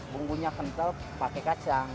bumbunya kental pakai kacang